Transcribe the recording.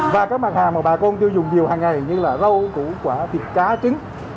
và các mặt hàng mà bà con tiêu dùng nhiều hàng ngày như là rau củ quả thịt cá trứng